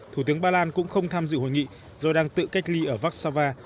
thủ tướng ba lan cũng không tham dự hội nghị do đang tự cách ly ở vác sa va